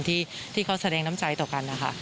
ที่เขาแสดงน้ำใจต่อกันนะคะ